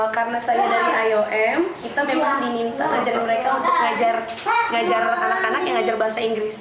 karena saya dari iom kita memang diminta mengajar mereka untuk mengajar anak anak yang mengajar bahasa inggris